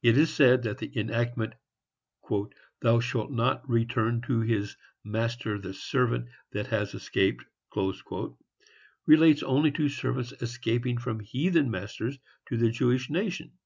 It is said that the enactment, "Thou shalt not return to his master the servant that has escaped," &c., relates only to servants escaping from heathen masters to the Jewish nation.